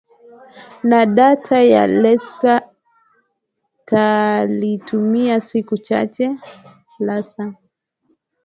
na data ya laser Tulitumia siku chache